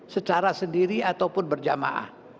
secara sendiri ataupun berjamaah